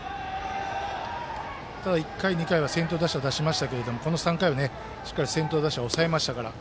ただ、１回、２回は先頭打者出しましたがこの３回は、しっかりと先頭打者を抑えましたから。